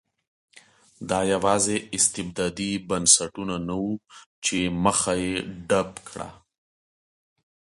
دا یوازې استبدادي بنسټونه نه وو چې مخه یې ډپ کړه.